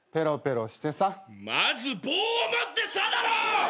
まず「棒を持ってさ」だろ！